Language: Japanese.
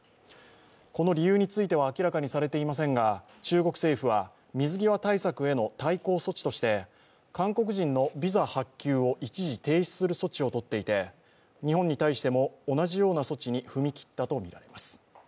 この理由については明らかにされていませんが中国政府は、水際対策への対抗措置として韓国人のビザ発給を一時停止する措置を取っていて、日本に対しても、同じような措置に踏み切ったとみられます。